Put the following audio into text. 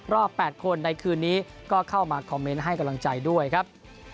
รอบ๘คนในคืนนี้ก็เข้ามาคอมเมนต์ให้กำลังใจด้วยครับ